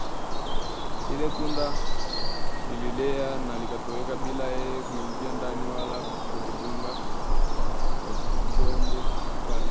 Lile tunda lilielea na likatolewa bila yeyote kuingia ndani wala kulidunga kwa chombo kikali